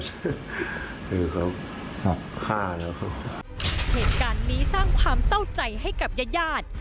หรือเขาฆ่านะครับเหตุการณ์นี้สร้างความเศร้าใจให้กับญาติ